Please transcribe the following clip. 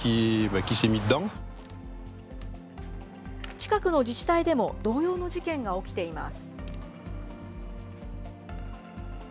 近くの自治体でも同様の事件が起きています。